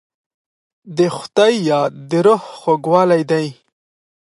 د خدای یاد د روح خوږوالی دی.